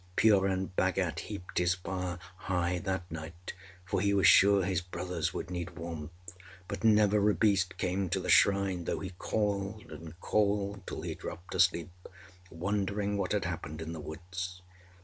Purun Bhagat heaped his fire high that night, for he was sure his brothers would need warmth; but never a beast came to the shrine, though he called and called till he dropped asleep, wondering what had happened in the woods.